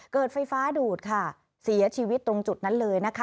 เกิดไฟฟ้าดูดค่ะเสียชีวิตตรงจุดนั้นเลยนะคะ